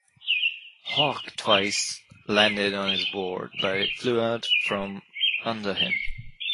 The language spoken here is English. Hawk twice landed on his board, but it flew out from under him.